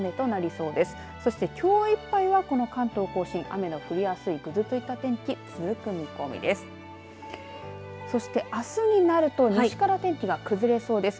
そして、きょういっぱいはこの関東甲信雨の降りやすいぐずついた天気続く見込みです。